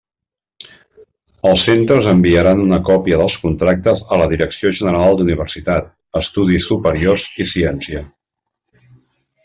Els centres enviaran una còpia dels contractes a la Direcció General d'Universitat, Estudis Superiors i Ciència.